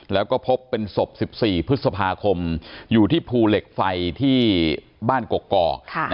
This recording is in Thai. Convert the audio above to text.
แล้วก็พบเป็นศพ๑๔พฤษภาคมอยู่ที่ภูเหล็กไฟที่บ้านกกอก